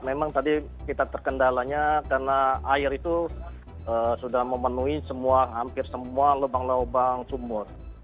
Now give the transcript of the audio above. memang tadi kita terkendalanya karena air itu sudah memenuhi semua hampir semua lubang lubang sumur